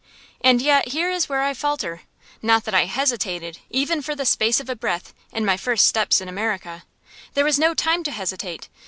And yet here is where I falter. Not that I hesitated, even for the space of a breath, in my first steps in America. There was no time to hesitate.